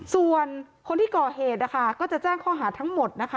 ส่วนคนที่ก่อเหตุนะคะก็จะแจ้งข้อหาทั้งหมดนะคะ